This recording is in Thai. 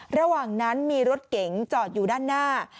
ระหว่างนั้นมีรถเก๋งจอดอยู่ด้านหน้า